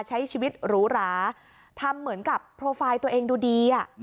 ใช้ชีวิตหรูหราทำเหมือนกับโปรไฟล์ตัวเองดูดี